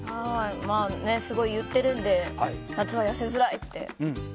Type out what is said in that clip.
すごい言ってるんで夏は痩せづらいって。